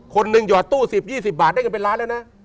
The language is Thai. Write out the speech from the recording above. คนหนึ่งหยอดตู้๑๐๒๐บาทได้เงินเป็นล้านแล้วนะ